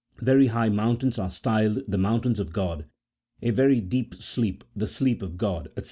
Very high moun tains are styled the mountains of God, a very deep sleep, the sleep of God, &c.